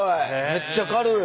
めっちゃ軽い。